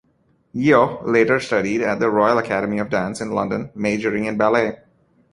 Yeoh later studied at the Royal Academy of Dance in London, majoring in ballet.